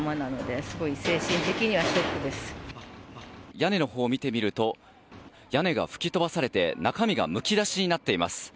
屋根のほうを見てみると屋根が吹き飛ばされて中身がむき出しになっています。